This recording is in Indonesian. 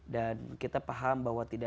dan kita paham bahwa